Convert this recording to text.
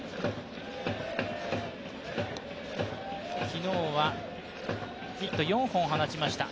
昨日はヒット４本を放ちました。